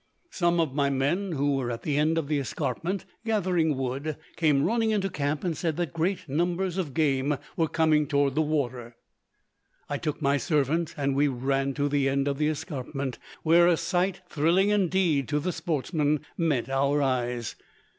Some of my men, who were at the end of the escarpment gathering wood, came running into camp and said that great numbers of game were coming toward the water. I took my servant and we ran to the end of the escarpment, where a sight thrilling indeed to the sportsman met our eyes.